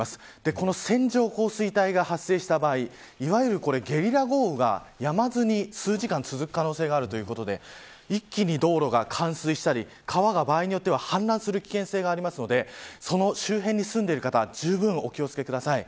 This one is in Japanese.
この線状降水帯が発生した場合いわゆるゲリラ豪雨がやまずに数時間続く可能性があるということで一気に道路が冠水したり川が場合によっては氾濫する危険性があるのでその周辺に住んでいる方はじゅうぶんお気を付けください。